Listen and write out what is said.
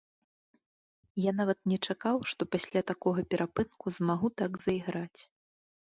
Я нават не чакаў, што пасля такога перапынку змагу так зайграць.